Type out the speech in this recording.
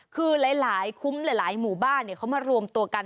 คือหลายคุ้มหลายหมู่บ้านเขามารวมตัวกัน